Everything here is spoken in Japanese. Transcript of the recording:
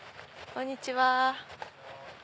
こんにちは。